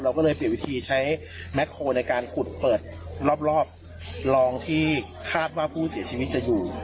ก็เลยเปลี่ยนวิธีใช้แมคโฮลในการขุดเปิดรอบรองที่คาดว่าผู้เสียชีวิตจะอยู่